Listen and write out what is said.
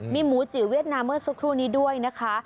มีหมูจิ๋วเวียดนามเมื่อสักครู่นี้ด้วยนะคะ